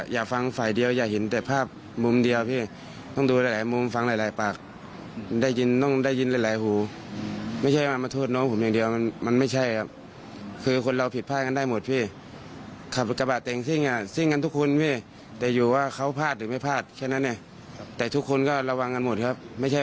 อยากฟังฝ่ายเดียวอย่าเห็นแต่ภาพมุมเดียวพี่ต้องดูหลายหลายมุมฟังหลายหลายปากได้ยินต้องได้ยินหลายหูไม่ใช่ว่ามาโทษน้องผมอย่างเดียวมันมันไม่ใช่ครับคือคนเราผิดพลาดกันได้หมดพี่ขับรถกระบะแต่งซิ่งอ่ะซิ่งกันทุกคนพี่แต่อยู่ว่าเขาพลาดหรือไม่พลาดแค่นั้นเนี่ยแต่ทุกคนก็ระวังกันหมดครับไม่ใช่